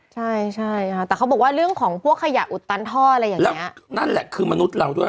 ใช่ใช่ค่ะแต่เขาบอกว่าเรื่องของพวกขยะอุดตันท่ออะไรอย่างเงี้ยนั่นแหละคือมนุษย์เราด้วย